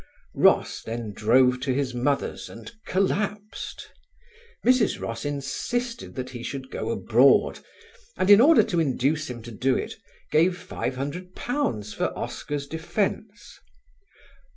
Ross then drove to his mother's and collapsed. Mrs. Ross insisted that he should go abroad, and in order to induce him to do it gave £500 for Oscar's defence.